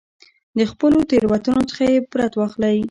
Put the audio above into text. د خپلو تېروتنو څخه عبرت واخلئ.